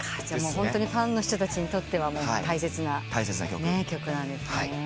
ホントにファンの人たちにとっては大切な曲なんですね。